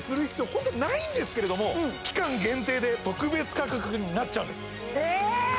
ホントないんですけれども期間限定で特別価格になっちゃうんですええっ！？